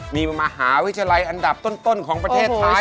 มีมหาวิทยาลัยอันดับต้นของประเทศไทย